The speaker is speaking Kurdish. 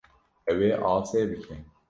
Ew ê asê bike.